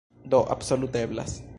Do, absolute eblas.